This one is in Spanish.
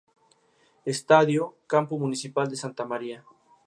Estadio: Campo Municipal de Santa María.